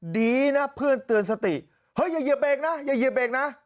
ดีนะเพื่อนเตือนสติเฮ้ยอย่าเหยียบเบรกนะอย่าเหยียบเบรกนะ